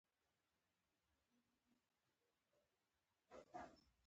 د صحي خدماتو پراختیا د هېواد اقتصادي پرمختګ لپاره اړین دي.